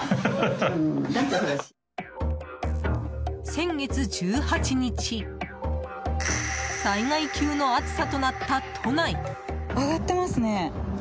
先月１８日災害級の暑さとなった都内。